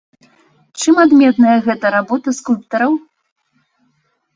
Чым адметная гэта работа скульптараў?